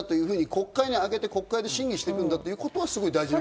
国会に挙げて審議していくんだということが大事。